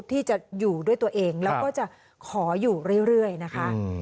ที่จะอยู่ด้วยตัวเองแล้วก็จะขออยู่เรื่อยนะคะ